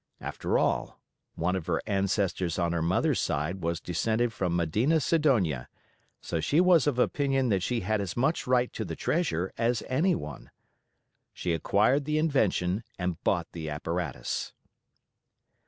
After all, one of her ancestors on her mother's side was descended from Medina Sidonia, so she was of opinion that she had as much right to the treasure as anyone. She acquired the invention and bought the apparatus.